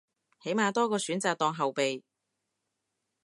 起碼多個選擇當後備